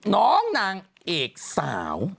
น้องนางเอกสาว